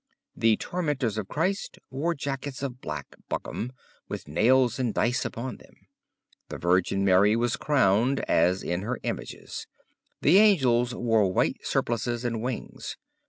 The tormentors of Christ wore jackets of black buckram with nails and dice upon them. The Virgin Mary was crowned, as in her images. The angels wore white surplices and wings.